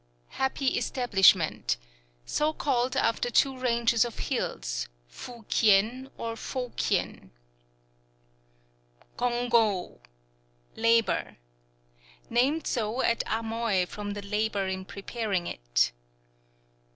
"Happy Establishment" So called after two ranges of hills, Fu Kien or Fo Kien Congou ... Labor Named so at Amoy from the labor in preparing it.